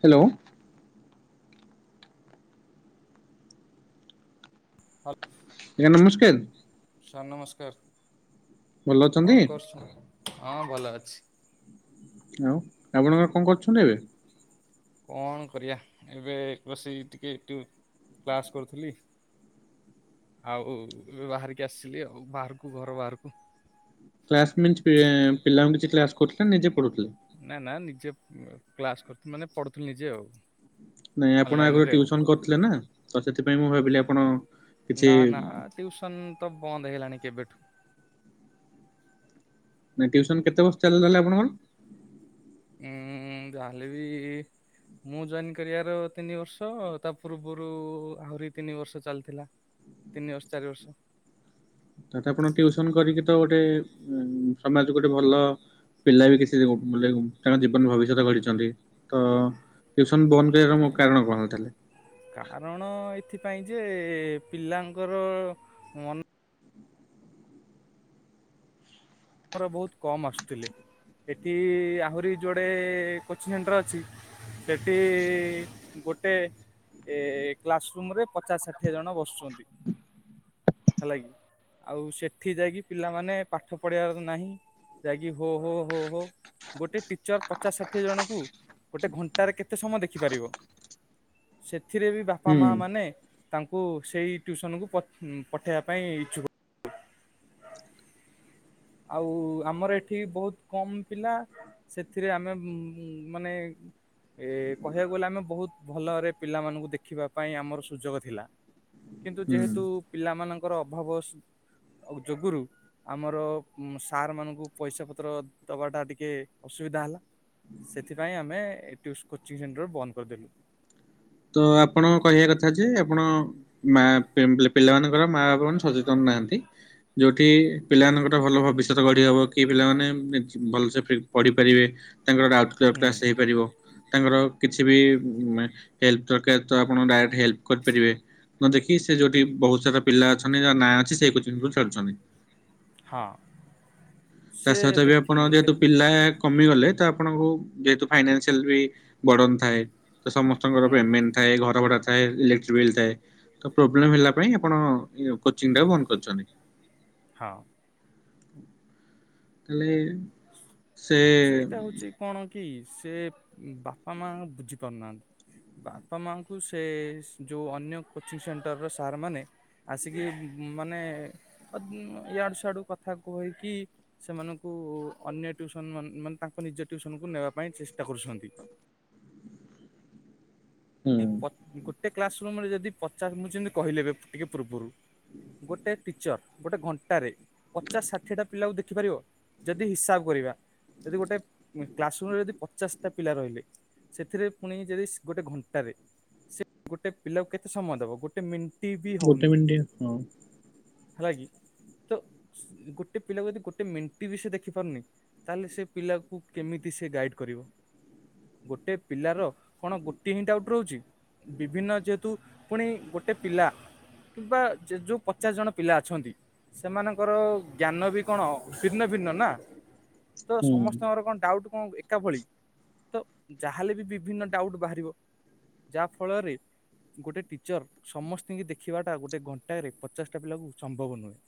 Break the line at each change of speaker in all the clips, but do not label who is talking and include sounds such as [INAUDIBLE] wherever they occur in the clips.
Hello
hall
[UNINTELLIGIBLE] ନମସ୍କାର
ନମସ୍କାର
ଭଲ ଅଛନ୍ତି
[UNINTELLIGIBLE] ହଁ ଭଲ ଅଛି।
ଆଉ ଆପଣଙ୍କର କଣ କରୁଛନ୍ତି ଏବେ
କଣ କରିବା ଏବେ ବସି ଟିକେ ଟି କ୍ଲାସ୍ କରୁଥିଲି। ଆଉ ଏବେ ବାହାରିକି ଆସିଥିଲି ଆଉ ବାହାରକୁ ଘର ବାହାରକୁ।
[UNINTELLIGIBLE] ପିଲାଙ୍କୁ କିଛି କ୍ଲାସ କରୁଥିଲେ ନିଜେ ପଢୁଥିଲେ?
ନା ନା ନିଜେ କ୍ଲାସ କରୁଥିଲ ମାନେ ପଢୁଥିଲୁ ନିଜେ ଆଉ।
ନାଇଁ ଆପଣ ଆଗୁରୁ
ଅନଲାଇନରେ ଆଉ
ଟିଉସନ କରିଥିଲେ ନା ତ ସେଥିପାଇଁ ମୁଁ ଭାବିଲି ଆପଣ କିଛି
ନା ନା ଟୁୟୁସନ ତ ବନ୍ଦ ହେଇଲାଣି କେବେଠୁ।
ଟୁୟୁସନ କେତେ ବର୍ଷ ଚାଲିଗଲା ଆପଣଙ୍କର?
ଉଁ ଯାହା ହେଲେ ବି ମୁଁ ଜଏନ୍ କରିବାର ତିନି ବର୍ଷ ତା ପୂର୍ବରୁ ଆହୁରି ତିନି ବର୍ଷ ଚାଲିଥିଲା। ତିନି ବର୍ଷ ଚାରି ବର୍ଷ।
ତାଟ ଆପଣ ଟିୟୁସନ କରିକି ତ ଗୋଟେ ସମାଜକୁ ଗୋଟେ ଭଲ ପିଲା ବି କିଛି ବୋଲେ ତାଙ୍କ ଜୀବନ ଭବିଷ୍ୟତ ଗଢିଛନ୍ତି ତ ଟିୟୁସନ ବନ୍ଦ କରିବାର ମୋ କାରଣ କଣ ତାହାଲେ?
କାରଣ ଏଥିପାଇଁ ଯେ ପିଲାଙ୍କର ମନ ଆମର ବୋହୁତ କମ୍ ଆସୁଥିଲେ। ଏଠି ଆହୁରି ଯୋଆଡେ କୋଚିଂ ସେଣ୍ଟର ଅଛି। ସେଠି ଗୋଟେ ଏ କ୍ଲାସ ରୁମ ରେ ପଚାଶ ଷାଠିଏ ଜଣ ବସୁଛନ୍ତି। ହେଲା କିି ଆଉ ସେଠି ଯାଇକି ପିଲାମାନେ ପାଠ ପଢିବାର ନାହିଁ। ଯାଇକି ହୋ ହୋ ହୋ ହୋ ଗୋଟେ ଟିଚର ପଚାଶ ଷାଠିଏ ଜଣଙ୍କୁ ଗୋଟେ ଘଣ୍ଟାରେ କେତେ ସମୟ ଦେଖିପାରିବ ସେ ଏଥିରେ ବି ବାପା
ହୁଁ
ମା ମାନେ ତାଙ୍କୁ ସେଇ ଟ୍ୟୁସନକୁ ପଠ-ପଠେଇବା ପାଇଁ ଇଚ୍ଛୁକ। ଆଉ ଆମର ଏଠି ବୋହୁତ କମ ପିଲା ସେଥିରେ ଆମେ ମାନେ ଏ କହିବାକୁ ଗଲେ ଆମେ ବୋହୁତ ଭଲରେ ପିଲାମାନଙ୍କୁ ଦେଖିବା ପାଇଁ ଆମର ସୁଯୋଗ ଥିଲା। କିନ୍ତୁ
ହୁଁ।
ଯେହେତୁ ପିଲାମାନଙ୍କର ଅଭାବ ଯୋଗୁରୁ ଆମର ସାର୍ ମାନଙ୍କୁ ପଇସା ପତ୍ର ଦବାଟା ଟିକେ ଅସୁବିଧା ହେଲା। ସେଥିପାଇଁ ଆମେ ଟି କୋଚିଂ ସେଣ୍ଟର ବନ୍ଦ କରିଦେଲୁ।
ତ ଆପଣ କହିବା କଥା ଯେ ଆପଣ ମା [UNINTELLIGIBLE] ପିଲାମାନଙ୍କର ମା ବାପାମାନେ ସଚେତନ ନାହାନ୍ତି ଯୋଉଠି ପିଲାମାନଙ୍କର ଭଲ ଭବିଷ୍ୟତ ଗଢି ହବ କି ପିଲାମାନେ ଭଲସେ ଫି ପଢିପାରିବେ ତାଙ୍କର ଡାଉଟ୍ କ୍ଲିୟର
ହୁଁ
କ୍ଲାସ୍ ହେଇପାରିବ ତାଙ୍କର କିଛି ବି ମା ହେଲ୍ପ ଦରକାର ତ ଆପଣ ଡାଇରେକ୍ଟ ହେଲ୍ପ କରିପାରିବେ ନ ଦେଖି ସେ ଯୋଉଠି ବହୁତ ସାରା ପିଲା ଅଛନ୍ତି ଯ ନା ଅଛି ସେଇ କୋଚିଂ କୁ ଛାଡୁଛନ୍ତି।
ହଁ।
ତା
ସେ
ସହିତ ବି
ଦେଖ
ଆପଣ ଯେହେତୁ
ଦେଖ
ପିଲା କମିଗଲେ ଆପଣଙ୍କୁ ଯେହତୁ ଫାଇନାନସିଆଲ ବି ବର୍ଡ଼ନ୍ ଥାଏ। ତ ସମସ୍ତଙ୍କର
ହୁଁ
ପେମେଣ୍ଟ ଥାଏ ଘର ଭଡା ଥାଏ ଇଲେକ୍ଟ୍ରିକ ବିଲ୍ ଥାଏ। ତ ପ୍ରୋବ୍ଲେମ ହେଲା ପାଇଁ ଆପଣ କୋଚିଂ ଟା ବନ୍ଦ କରିଛନ୍ତି।
ହଁ।
ତାହେଲେ ସେ
ସେଇଟା ହଉଛି କଣ କି ସେ ବାପା ମା ବୁଝି ପାରୁନାହାନ୍ତି। ବାପା ମାଙ୍କୁ ସେ ଯୋଉ ଅନ୍ୟ କୋଚିଂ ସେଣ୍ଟର ର ସାର୍ ମାନେ ଆସିକି ମାନେ ଅଦ୍ ଇଆଡୁ ସିଆଡୁ କଥା କହିକି ସେମାନଙ୍କୁ ଅନ୍ୟ ଟିୟୁଶ୍ ମାନ୍ ମାନ୍ ମାନେ ତାଙ୍କ ନିଜ ଟିୟୁସନକୁ ନେବା ପାଇଁ ଚେଷ୍ଟା କରୁଛନ୍ତି।
ହୁଁ
ପ ଗୋଟେ କ୍ଲାସ ରୁମରେ ଯଦି ପଚାଶ୍ ମୁୁଁ ଯେମିତି କହିଲି ଏବେ ଟିକେ ପୂର୍ବରୁ ଗୋଟେ ଟିଚର ଗୋଟେ ଘଣ୍ଟାରେ ପଚାଶ ଷାଠିଏଟା ପିଲାକୁ ଦେଖିପାରିବ ଯଦି ହିସାବ କରିବା ଯଦି ଗୋଟେ କ୍ଲାସ ରୁମରେ ଯଦି ପଚାଶଟା ପିଲା ରହିଲେ ସେଥିରେ ପୁଣି ଯଦି ଗୋଟେ ଘଣ୍ ଣ୍ଟାରେ ସେ ଗୋଟେ ପିଲାକୁ କେତେ ସମୟ ଦବ ଗୋଟେ ମିନ୍
ଗୋଟେ ମିଣ୍ଟିଆ ହଁ।
ହେଲା କି। ତ ଗୋଟେ ପିଲାକୁ ଯଦି ଗୋଟେ ମେଣ୍ଟି ବି ସେ ଦେଖିପାରୁନି ତାହେଲେ ସେ ପିଲାକୁ କେମିତି? ସେ ଗାଇଡ କରିବ ଗୋଟେ ପିଲାର କଣ ଗୋଟିଏ ହିଁ ଡାଉଟ୍ ରହୁଛି ବିଭିନ୍ନ ଯେହେତୁ ପୁଣି ଗୋଟେ ପିଲା କିମ୍ବା ଯ ଯ ଯୋଉ ପଚାଶ ଜଣ ପିଲା ଅଛନ୍ତି ସେମାନଙ୍କର ଜ୍ଞାନ ବି କଣ ଭିନ୍ନ ଭିନ୍ନ ନା ତ
ହୁଁ
ସମସ୍ତଙ୍କର କଣ ଡାଉଟ୍ କଣ ଏକା ଭଳି ତ ଯାହାହେଲେ ବି ବିଭିନ୍ନ ଡାଉଟ୍ ବାହାରିବ ଯାହା ଫଳରେ ଗୋଟେ ଟିଚର ସମସ୍ତିଙ୍କି ଦେଖିବାଟା ଗୋଟେ ଘଣ୍ଟାଏରେ ପଚାଶଟା ପିଲାକୁ ସମ୍ଭବ ନୁହେଁ।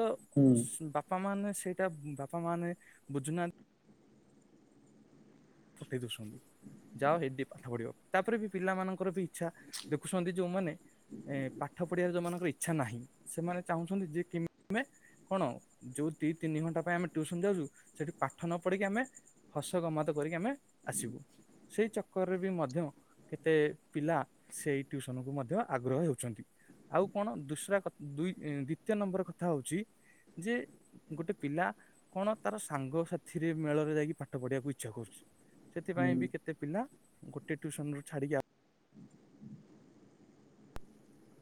ତ
ହୁଁ
ଶ୍ ବାପା ମାନେ ସେଇଟା ବାପା ମାନେ ବୁଝୁନାହାଁ ପଠେଇ ଦଉଛନ୍ତି। ଯାଅ ହେଇଠି ଟିକେ ପାଠ ପଢିବ, ତାପରେ ବି ପିଲାମାନାନଙ୍କର ବି ଇଚ୍ଛା ଦେଖୁଛନ୍ତି ଯୋଉମାନେ ଏ ପାଠ ପଢିବାର ଯୋଉମାନଙ୍କର ଇଚ୍ଛା ନାହିଁ ସେମାନେ ଚାହୁଁଛନ୍ତି ଯେ କେମେ କଣ ଯୋଉ ଦି ତିନି ଘଣ୍ଟା ପାଇଁ ଆମେ ଟ୍ୟୁସନ ଯାଉଛୁ ସେଠି ପାଠ ନ ପଢିକି ଆମେ ହସ ଗମା ତ କରିକି ଆମେ ଆସିବୁ ସେଇ ଚକ୍କରରେ ବି ମଧ୍ୟ କେତେ ପିଲା ସେଇ ଟ୍ଯୁସନ୍ କୁ ମଧ୍ୟ ଆଗ୍ରହ ହେଉଛନ୍ତି। ଆଉ କଣ ଦୁସରା କ ଦୁଇ ଦ୍ଵିତୀୟ ନମ୍ବର କଥା ହଉଛି ଯେ ଗୋଟେ ପିଲା କଣ ତାର ସାଙ୍ଗ ସାଥିରେ ମେଳରେ ଯାଇକି ପାଠ ପଢିବାକୁ ଇ ଛା କରୁଛି
ହୁଁ
ସେଥିପାଇଁ ବି କେତେ ପିଲା ଗୋଟେ ଟ୍ୟୁସନରୁ ଛାଡିକି ଆ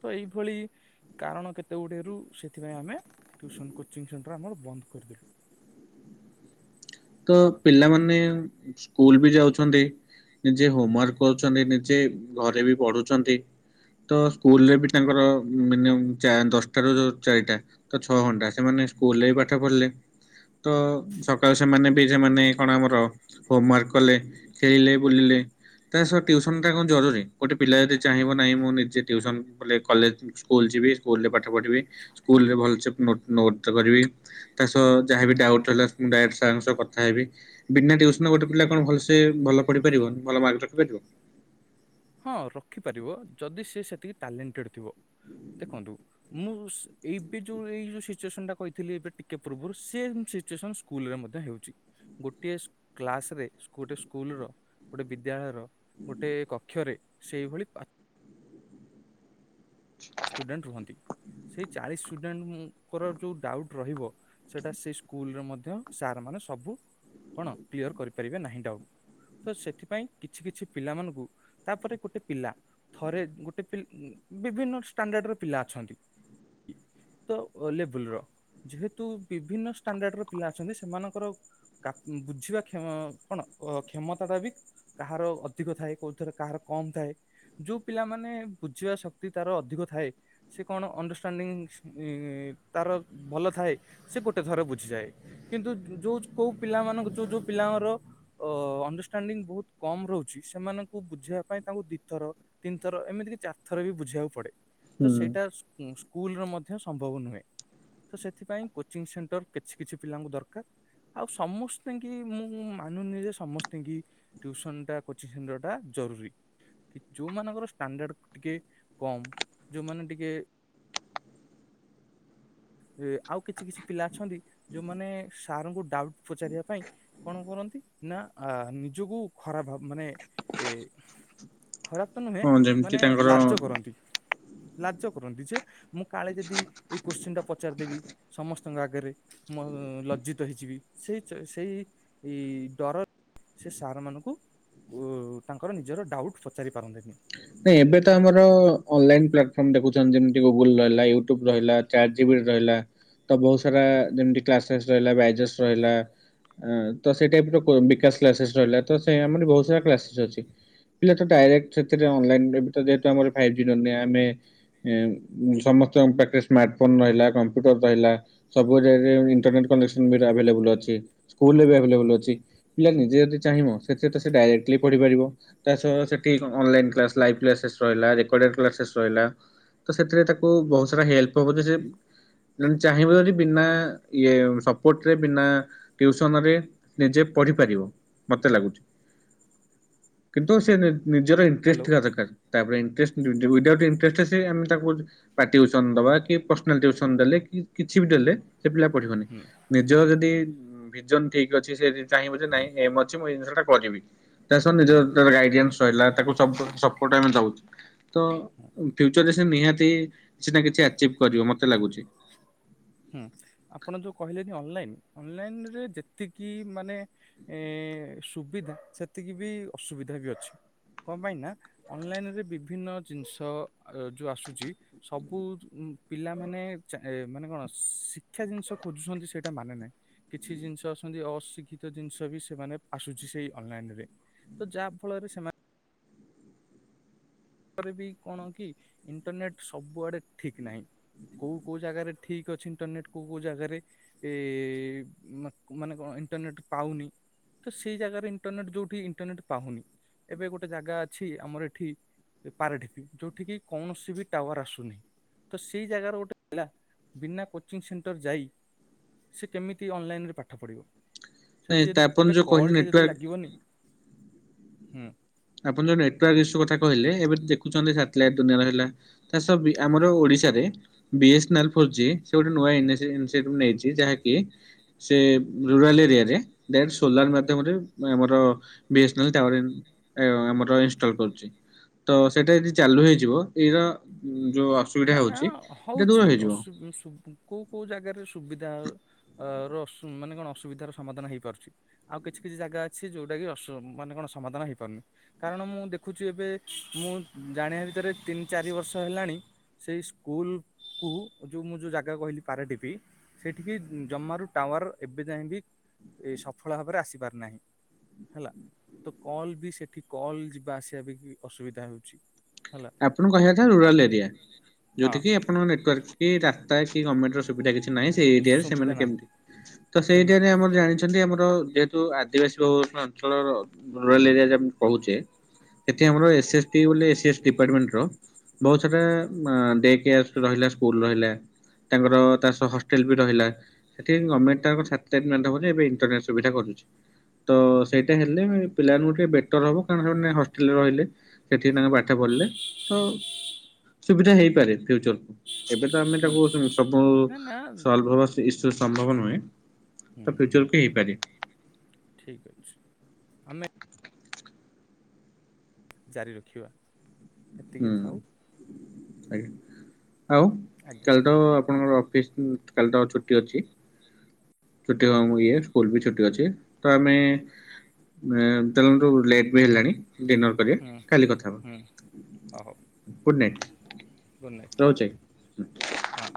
ତ ଏଇଭଳି କାରଣ କେତେ ଗୁଡେରୁ ସେଥିପାଇଁ ଆମେ ଟ୍ଯୁସନ୍ କୋଚିଂ ସେଣ୍ଟର ଆମର ବନ୍ଦ କରିଦେଲୁ।
ତ ପିଲାମାନେ ସ୍କୁଲ ବି ଯାଉଛନ୍ତି ନିଜେ ହୋମ ୱାର୍କ କରୁଛନ୍ତି ନିଜେ ଘରେ ବି ପଢୁଛନ୍ତି ତ ସ୍କୁଲରେ ବି ତାଙ୍କର ମିନିୟମ୍ ଚା ଦଶଟା ରୁ ଯୋଉ ଚାରିଟା ତ ଛଅ ଘଣ୍ଟା ସେମାନେ। ସ୍କୁଲରେ ବି ପାଠ ପଢିଲେ ତ ସକାଳ ସେମାନେ ବି ସେମାନେ କଣ ଆମର ହୋମୱାର୍କ କଲେ ଖେଳିଲେ ବୁଲିଲେ ତା ସହ ଟ୍ୟୁସନ ଟା କଣ ଜରୁରୀ ଗୋଟେ ପିଲା ଯଦି ଚାହିଁବ ନାହିଁ ମୁଁ ନିଜେ ଟ୍ୟୁସନ ବଲେ କଲେଜ ସ୍କୁଲ ଯିବି ସ୍କୁଲ୍ ରେ ପାଠ ପଢିବି ସ୍କୁଲ୍ ରେ ଭଲସେ ନୋ ନୋଟ୍ ଟେ କରିବି ତା ସହ ଯାହାବି ଡାଉଟ ଥି ମୁ ଙ୍କ ସହ କଥା ହେବି ବିନା ଟିଉସନ ଗୋଟେ ପିଲା କଣ ଭଲସେ ଭଲ ପଢି ପାରିବନି ଭଲ ମାର୍କ ରଖିପାରିନି? [INAUDIBLE]
ହଁ ରଖିପାରିବ ଯଦି ସେ ସେତିକି ଟ୍ୟାଲେଣ୍ଟେଡ଼ ଥିବ ଦେଖନ୍ତୁ ମୁଁ ସ୍ ଏବେ ଯୋଉ ଏଇ ଯୋଉ ସିଚୁଏସନ ଟା କହିଥିଲି ଏବେ ଟିକେ ପୂର୍ବରୁ ସେଏମ୍ ସିଚୁଏନ ସ୍କୁଲ୍ ରେ ମ ମଧ୍ୟ ହେଉଛି। ଗୋଟିଏ କ୍ଲାସ ରେ ଗୋଟେ ସ୍କୁଲ ର ଗୋଟେ ବିଦ୍ୟାଳୟର ଗୋଟେ କ କକ୍ଷରେ ସେଇଭଳି ପା ଷ୍ଟୁଡେଣ୍ଟ ରୁହନ୍ତି। ସେଇ ଚାଳିଶ ଷ୍ଟୁଡେଣ୍ଟଙ୍କର ଯୋଉ ଡାଉଟ ରହିବ ସେଟା ସେଇ ସ୍କୁଲରେ ମଧ୍ୟ ସାର ମାନେ ସବୁ କଣ କ୍ଲିୟର କରିପାରିବେ ନାହିଁ ଡାଉଟ୍। ତ ସେଥିପାଇଁ କିଛି କିଛି ପିଲା ମାନଙ୍କୁ ତାପରେ ଗୋଟେ ପିଲା ଥରେ ଗୋଟେ ପି ଉ ବିଭିନ୍ନ ଷ୍ଟାଣ୍ଡାର୍ଡ ପିଲା ଅଛନ୍ତି।
[INAUDIBLE]
ତ ଓ ଲେବୁଲ ର। ଯେହେତୁ ବିଭିନ୍ନ ଷ୍ଟାଣ୍ଡାର୍ଡ ର ପିଲା ଅଛନ୍ତି ସେମାନଙ୍କର କାପା ବୁଝିବା କ୍ଷ କଣ ଅ କ୍ଷମତା ଟା ବି କାହାର ଅଧିକ ଥାଏ କୋଉଥିରେ କାହାର କମ ଥାଏ ଯୋଉ ପିଲାମାନେ ବୁଝିବା ଶକ୍ତି ତାର ଅଧିକ ଥାଏ ସେ କଣ ଅଣ୍ଡରଷ୍ଟାଣ୍ଡିଂ ଇ ତାର ଭଲ ଥାଏ ସେ ଗୋଟେ ଥର ବୁଝି ଯାଏ କିନ୍ତୁ ଯୋଉ କୋଉ ପିଲାମାନଙ୍କ ଯୋଉ ଯୋଉ ପିଲାଙ୍କର ଅ ଅଣ୍ଡରଷ୍ଟାଣ୍ଡିଂ ବହୁତ୍ କମ୍ କମ ରହୁଛି ସେମାନଙ୍କୁ ବୁଝେଇବା ପାଇଁ ତାଙ୍କୁ ଦିଥର ତିନି ଥର ଏମିତି କି ଚାରିଥର ବି ବୁଝିବାକୁ ପଡେ। ତ
ହୁଁ।
ସେଇଟା ସ୍କୁ ସ୍କୁଲ ର ମଧ୍ୟ ସମ୍ଭବ ନୁହେଁ। ତ ସେଥିପାଇଁ କୋଚିଂ ସେଣ୍ଟର କିଛି କିଛି ପିଲାଙ୍କୁ ଦରକାର। ଆଉ ସମସ୍ତେ କି ମୁଁ ମାନୁନି ଯେ ସମସ୍ତେ କି ଟ୍ୟୁସନ ଟା କୋଚିଂ ସେଣ୍ଟର ଟା ଜରୁରୀ କି ଯୋଉମାନଙ୍କର ଷ୍ଟାଣ୍ଡାର୍ଡର ଟିକେ କମ୍ ଯୋଉମାନେ ଟିକେ ଯେ ଆଉ କିଛି କିଛି ପିଲା ଅଛନ୍ତି ଯୋଉମାନେ ସାରଙ୍କୁ ଡାଉଟ୍ ପଚାରିବା ପାଇଁ କଣ କରନ୍ତି ନା ଆ ନିଜକୁ ଖରାପ ଭାବ ମାନେ ଏ
[UNINTELLIGIBLE]
ଖରାପ ତ ନୁହେଁ
ହଁ ଯେମିତି
ମାନେ
ତାଙ୍କର
ଲାଜ କରନ୍ତି। ଲାଜ କରନ୍ତି ଯେ ମୁଁ କାଳେ ଯଦି ଏଇ କୋ୍ଚିନ୍ ଟା ପ ପଚାରି ଦେବି ସମସ୍ତଙ୍କ ଆଗରେ ମୁଁ ଲଜ୍ଜିତ ହେଇଯିବି ସେଇ ସେଇ ଡର ସେ ସାର୍ ମାନଙ୍କୁ ଉ ତାଙ୍କର ନିଜର ଡାଉଟ୍ ପଚାରି ପାରନ୍ତିନି।
ନାଇଁ ଏବେ ତ ଆମର ଅନଲାଇନ ପ୍ଲାଟଫର୍ମ ଦେଖୁଛନ୍ତି ଯେମିତି ଗୁଗୁଲ ରହିଲା ୟୁଟୁବ ରହିଲା ଚାଟ୍ ଜିପ୍ ରହିଲା ତ ବହୁତସାରା ଯେମିତି କ୍ଲାସ ଫ୍ଲାସ୍ ରହିଲା ବାଇଜେସ୍ ରହିଲା ଆ ତ ସେଇ ଟାଇପ ର କୁ ବିକାଶ କ୍ଲାସେସ୍ ରହିଲା ତ ସେ ଆମର ବହୁତ ସାରା କ୍ଲାସେସ୍ ଅଛି। ପିଲା ତ ଡାଇରେକ୍ଟ ସେଠି ଅନ୍ ଲାଇନ୍ [UNINTELLIGIBLE] ସମସ୍ତ ଙ୍କ ପାଖେ ସ୍ମାର୍ଟ ଫୋନ୍ ରହିଲା କମ୍ପୁଟର୍ ରହିଲା ସବୁରେରେ ଇନ୍ଟେନେଟ୍ କନେକ୍ସଅନ୍ ଆଭେଲେବୁଲ୍ ଅଛି। ସ୍କୁଲରେ ବି ଆଭେଲେବୁଲ୍ ଅଛି ପିଲା ନିଜେ ଯଦି ଚାହିଁବ ସେଥିରେ ତ ସେ ଡାଇରେକ୍ଟଲି ପଢ଼ିପାରିବ ତା ସହ ସେଠିକି କଣ ଅନଲାଇନ୍ କ୍ଲାସ୍ ଲାଇଭ କ୍ଲାସେସ୍ ରହିଲା ରେକଡିନ୍ କ୍ଲାସେସ୍ ରହିଲା ତ ସେଥିରେ ତାକୁ ବହୁତ ସାରା ହେଲ୍ପ ହବ ଯେ ନହେଲେ ଚାହିଁବ ଆଜି ବିନା ଇଏ ସପୋର୍ଟରେ ବିନାଟିୟୁସନରେ, ନିଜେ ପଢ଼ିପାରିବ ମତେ ଲାଗୁଛି। କିନ୍ତୁ ସେ ନି-ନି ନିଜର ଇଣ୍ଟରେଷ୍ଟ
ହ୍ୟାଲୋ
ଥିବା ଦରକାର। ତାପରେ, ଇନ୍ ଷ୍ଡେସ୍ ୱିଦାଉ୍ଟ୍ ଇଣ୍ଟରେଷ୍ଟ ସେ ଆମେ ତାକୁ ବା ଟିୟୁସନ୍ ଦବା କି ପ୍ରଶ୍ନାଲ ଟିୟୁସନ୍ ଦେଲେକି କିଛି କିମି ଜାଣିଲେ ସେ ପିଲା ପଢ଼ିବନି।
ହୁଁ
ନିଜଯଦି ଭିଜନ୍ ଠିକ୍ ଅଛି। ସେ ଯଦି ଚାହିଁବ ଯେ ନାଇଁ ଏମ୍ ଅଛି, ମୁଁ ଏଇ ଜିନିଷ ଟା କରିବି। ତାସ ନିଜର
ହୁଁ
ତ ଗାଇଡାନ୍ସ ରହିଲା। ତାକୁ ସପୋ ସପୋର୍ଟ ଆମେ ଦଉଛୁ। ତ ଫ୍ୟୁଚରରେ ସେ ନିହାତି କିଛି ନା କିଛି ଆଚିବ୍ କରିବ ମତେ ଲାଗୁଚି।
ହୁଁ ଆପଣ ଯୋଉ କହିଲେନି ଅନ୍ ଲାଇନ୍ ଅନ୍ ଲାଇନ୍ ରେ ଯେତିକି ମାନେ ଏ-ଏଁ ସୁବିଧା ସେତିକି ବି ଅସୁ ସୁବିଧା ବି ଅଛି। କ ପାଇଁ ନା ଅନ୍ ଲାଇନ୍ ରେ ବିଭିନ୍ନ ଜିନିଷ ଯୋଉ ଆସୁଛି। ସବୁ ପିଲା ମାନେ ଚାଏ ମାନେ କଣ? ସିଇ-ଶିକ୍ଷା ଜିନିଷ ଖୋଜୁଛନ୍ତି। ସେଇଟା ମାନେ ନାହିଁ କିଛି ଜିନିଷ ଅଛନ୍ତି, ଅଶିକ୍ଷିତ ଜିନିଷ ବି ସେମାନେ ଆସୁଛି ସେଇ ଅନ୍ ଲାଇନ୍ ରେ। ତ ଯାହା ଫଳରେ ସେମାନେ ତାପରେ ବି କଣ କି ଇଣ୍ଟରନେଟ୍ ସବୁଆଡେ ଠିକ୍ ନାହିଁ। କୋଉ କୋଉ ଜାଗାରେ ଠିକ୍ ଅଛି ଇଣ୍ଟରନେଟ। କୋଉ କୋଉ ଜାଗାରେ ଏ-ଏ ମା-ମାନେ କଣ ଇଣ୍ଟରନେଟ୍ ପାଉନି। ତ ସେଇ ଜାଗାରେ ଇଣ୍ଟରନେଟ ଯୋଉଠି ଇଣ୍ଟରନେଟ୍ ପାଉନି ଏବେ ଗୋଟେ ଜାଗା ଅଛି। ଆମର ଏଠି ପାରାଡିପି ଯୋଉଠିକି କୌଣସି ବି ଟାୱାର ଆସୁନି। ତ ସେଇ ଜାଗାର ଗୋଟେ ପିଲା ବିନା କୋଚିଂ ସେଣ୍ଟର ଯାଇ ସେ କେମିତି ଅନଲାଇନ୍ରେ ପାଠ ପଢ଼ିବ?
ନାଇଁ
ସେଠି
ତା
ଯଦି
ଆପଣ
ଗୋଟେ
ଯୋଉ କହିଲେ
କଲ୍ ଟେ
ନେଟୱାର୍କ
ଯଦି ଲାଗିବନି, ହୁଁ,
ଆପଣ ଯୋଉ ନେଟୱାର୍କ ଇସୁ କଥା କହିଲେ, ଏବେ ଦେଖୁଛନ୍ତି ସାଟ୍ ଲାଇଟ ଦୁନିଆର ହେଲା ତା ସବ୍ ବି ଆମର ଓଡ଼ି ଓଡ଼ିଶା ରେ ବିଏ୍ସନେଲ୍ ଫୋର୍ ଜି, ସେ ଗୋଟେ ନୂଆ ଏନ୍ ସେ ଏନେସେରି ନେଇଛି ଯାହାକି ସେ ରୁରାଲ୍ ଏରିଆରେ ଡାଇରେକ୍ଟ ସୋଲାର ମାଧ୍ୟ୍ୟମରେ, ଆମର ବିଏ୍ସନେଲ୍ ଟାୱାର ଇନ ଏ ଆମର ଇନଷ୍ଟଲ କରୁଛି। ତ ସେଇଟା ଯଦି ଚାଲୁ ହେଇଯିବ ଏଇର ଉ
ନା ନା ହଉଛି ଅସୁ ବୁସୁବୁ କୋଉ କୋଉ ଜାଗାରେ ସୁବିଧା ହେଲ ଅ ର ଅସ ମାନେ କଣ ଅସୁବିଧାର ସମାଧାନ ହେଇପାରୁଛି। ଆଉ କିଛି କିଛି ଜାଗା ଅଛି ଯୋଉଟା କି ଅସୁମ୍ ମାନେ କଣ ସମାଧାନ ହେଇପାରୁନି। କାରଣ ମୁଁ ଦେଖୁଛି ଏବେ ମୁଁ ଜାଣିବା ଭିତରେ ତିନି ଚାରି ବର୍ଷ ତ ହେଲାଣି ସେଇ ସ୍କୁଲକୁ ଯୋଉ ମୁଁ ଯୋଉ ଜାଗା କହିଲି ପାରାଢିପି ସେଠିକି ଜମାରୁ ଟାୱାର ଏବେ ଯାଇ ବି ସଫଳ ଭାବରେ ଆସିପାର ନାହିଁ। ହେଲା ତ କଲ ବି ସେଠି କଲ ଯିବା ଆସିବା ପାଇଁ ଅସୁବିଧା ହଉଛି।
ଆପଣଙ୍କୁ କହିବାଥା ରୁରାଲ ଏରିଆ
ହଁ
ଯୋଉଠି କି ଆପଣଙ୍କ ନେଟାର୍କ କି ରା ପ୍ରାୟ ସେ ଗମେଣ୍ଟ ର ସୁବିଧା କିଛି ନାହିଁ। ସେଇ ଏରିଆରେ ସେମାନେ
ସୁବିଧା ନାହିଁ
କେମିତି ତ ସେଇ
ସେମିତି
ଏରିଆରେ ଆମର ଜାଣିଛନ୍ତି ଆମର ଯେ ଜୁ ଆଦିବାସୀ ବହୁ ଅଞ୍ଚଳ ରୁରାଲ ଏରିଆ ଯେମିତି କହୁଛେ ସେଠି ଆମର ଏସ୍ ଏସ୍ ଟି ବୋଲି ଏ ଏସ୍ ଷ୍ଟି ଦିପାଟମେଣ୍ଟର ବହୁତ ସାରା ଆ ଡେ କେୟାର ରହିଲା ସ୍କୁଲ୍ ରହିଲା। ତାଙ୍କର ତା ସହ ହଷ୍ଟେଲ ବି ରହିଲା ସେଠି ଗମେଣ୍ଟ [UNINTELLIGIBLE] ଏବେ ଇରନଟ ସୁବିଧା କରୁନ [INAUDIBLE] ତ ସେଇଟା ହେଲେ ପିଲାଙ୍କୁ ଟିକେ ବେଟର ହବ କାରଣ ସେ ହଷ୍ଟେଲରେ ରହିଲେ ସେଠି ତାଙ୍କେ ବା ପାଠ ପଢିଲେ ତ ସୁବିଧା ହେଇପାରେ ଫ୍ୟଚରକୁ ଏବେ ତ ଆମେ
ହୁଁ
ତାକୁ ସବୁ
ନା ନା
ସଲଭ ହବା ଇସୁ ସମ୍ଭବ ନୁହେଁ
ହୁଁ
ତ ଫ୍ୟୁଚରକୁ ହେଇପାରେ।
ଠିକ ଅଛି ଆମେ ଜାରି ରଖିବା।
ହୁଁ
ସେତିକି ଥାଉ
ଆଜ୍ଞା ଆଉ
ଆଜ୍ଞା
କାଲି ତ ଆପଣଙ୍କର ଅଫିସ କାଲି ତ ଛୁଟି ଅଛି। ଛୁଟି କ ମୁ ଇଏ ସ୍କୁଲ ବି ଛୁଟି ଅଛି। ତ ଆମେ ଚାଲନ୍ତୁ ଲେଟ ବି ହେଲାଣି। ଡିନର୍ କରିବା କାଲି କଥା ହବା।
ହଁ ହଉ।
Good night.
ଗୁଡ଼ ନାଇଟ୍
ରହୁଛି ଆଜ୍ଞା
ହଁ।